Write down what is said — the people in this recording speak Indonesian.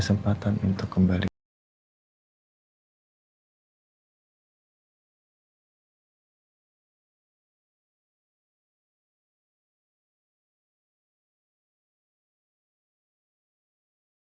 saya gak bisa berpikir